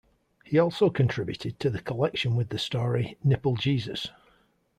He also contributed to the collection with the story "NippleJesus".